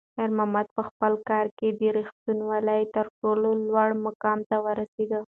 خیر محمد په خپل کار کې د رښتونولۍ تر ټولو لوړ مقام ته ورسېد.